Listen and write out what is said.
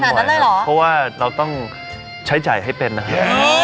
เพราะว่าเราต้องใช้จ่ายให้เป็นนะคะ